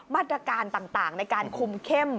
มาตรการต่างในการคุมเข้ม